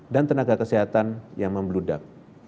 dan tenaga kesehatan yang membeludak